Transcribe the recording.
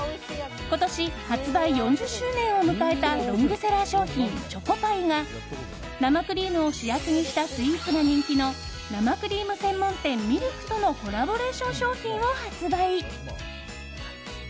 今年、発売４０周年を迎えたロングセラー商品チョコパイが生クリームを主役にしたスイーツが人気の生クリーム専門店Ｍｉｌｋとのコラボレーション商品を発売。